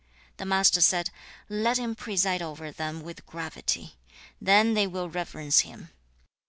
The Master said, 'Let him preside over them with gravity; then they will reverence him.